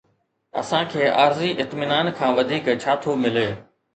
اسان کي عارضي اطمينان کان وڌيڪ ڇا ٿو ملي؟